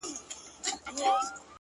چي ته به يې په کومو صحفو قتل روا کي